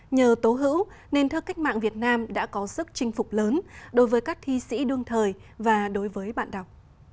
nhờ tố hữu nên thơ cách mạng việt nam đã có sức chinh phục lớn đối với các thi sĩ đương thời và đối với bạn đọc